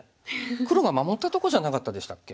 黒が守ったとこじゃなかったでしたっけ？